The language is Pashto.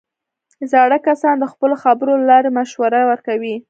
زاړه کسان د خپلو خبرو له لارې مشوره ورکوي